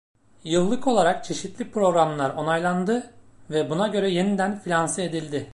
Yıllık olarak çeşitli programlar onaylandı ve buna göre yeniden finanse edildi.